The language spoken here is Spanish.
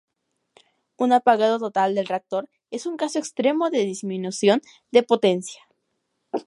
Un apagado total del reactor es un caso extremo de disminución de potencia.